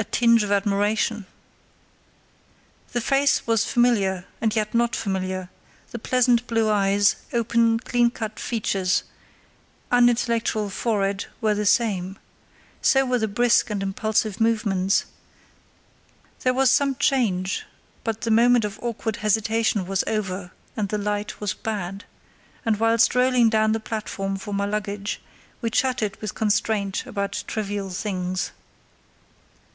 a tinge of admiration. The face was familiar, and yet not familiar; the pleasant blue eyes, open, clean cut features, unintellectual forehead were the same; so were the brisk and impulsive movements; there was some change; but the moment of awkward hesitation was over and the light was bad; and, while strolling down the platform for my luggage, we chatted with constraint about trivial things.